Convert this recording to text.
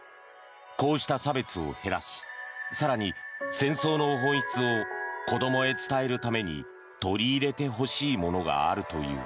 こうした差別を減らし更に、戦争の本質を子どもへ伝えるために取り入れてほしいものがあるという。